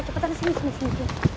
cepetan sini sini sini